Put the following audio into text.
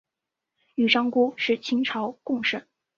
王章枯是清朝贡生。